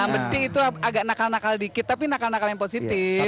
yang penting itu agak nakal nakal dikit tapi nakal nakal yang positif